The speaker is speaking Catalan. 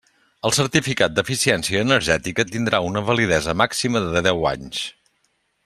El Certificat d'Eficiència Energètica tindrà una validesa màxima de deu anys.